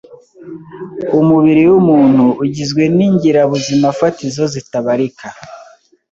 Umubiri wumuntu ugizwe ningirabuzimafatizo zitabarika.